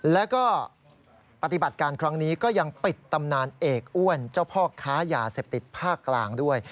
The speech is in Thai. แล้วก็ปฏิบัติการครั้งนี้ก็ยังปิดตำนานเอกอ้วนเจ้าพ่อค้ายาเสพติดภาคกลางด้วย